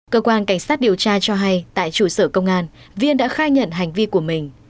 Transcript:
cơ quan cảnh sát điều tra cho hay tại trụ sở công an viên đã khai nhận hành vi của mình